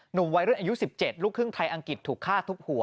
หนุ่มวัยรุ่นอายุ๑๗ลูกครึ่งไทยอังกฤษถูกฆ่าทุบหัว